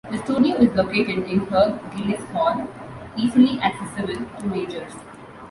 The studio is located in Hugh Gillis Hall, easily accessible to majors.